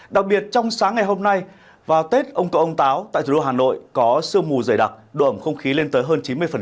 đặc biệt trong sáng ngày hôm nay vào tết ông cậu ông táo tại thủ đô hà nội có sương mù dày đặc độ ẩm không khí lên tới hơn chín mươi